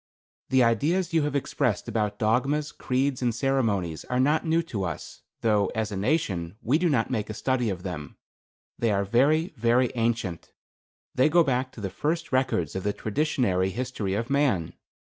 The ideas you have expressed about dogmas, creeds and ceremonies are not new to us, though, as a nation, we do not make a study of them. They are very, very ancient. They go back to the first records of the traditionary history of man.